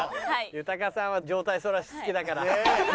豊さんは上体反らし好きだから。